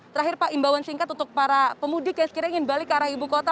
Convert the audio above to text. terakhir pak imbauan singkat untuk para pemudik yang sekiranya ingin balik ke arah ibu kota